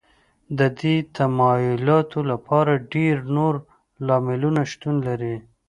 د دې تمایلاتو لپاره ډېری نور لاملونو شتون لري